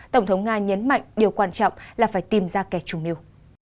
tổng thống nga nhấn mạnh điều quan trọng là phải tìm ra kẻ trùng niêu